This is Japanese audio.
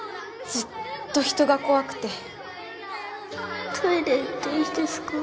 ずっと人が怖くてトイレ行っていいですか